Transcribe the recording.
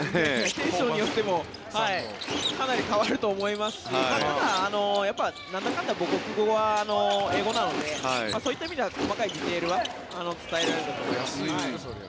テンションによってもかなり変わると思いますしただ、なんだかんだ母国語は英語なのでそういった意味では細かいディテールは伝えやすいと思います。